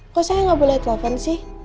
kok saya gak boleh telofan sih